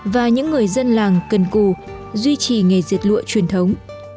và những người dân làng cần cù duy trì nghề diệt lụa truyền thống